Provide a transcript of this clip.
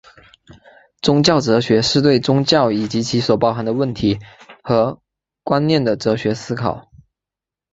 宗教哲学是对宗教以及其所包含的问题和观念的哲学思考。